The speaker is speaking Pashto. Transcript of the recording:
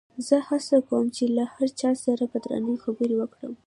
زه هڅه کوم چې له هر چا سره په درناوي خبرې وکړم.